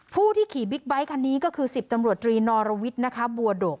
ผู้ที่ขี่บิ๊กไบท์คันนี้ก็คือ๑๐ตำรวจตรีนอรวิทย์นะคะบัวโดก